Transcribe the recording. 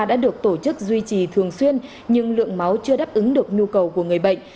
đã được tổ chức duy trì thường xuyên nhưng lượng máu chưa đáp ứng được nhu cầu của người bệnh